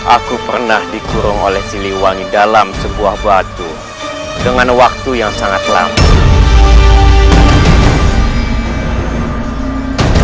aku pernah dikurung oleh siliwangi dalam sebuah batu dengan waktu yang sangat lampu